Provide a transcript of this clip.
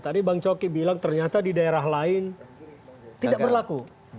tadi bang coki bilang ternyata di daerah lain tidak berlaku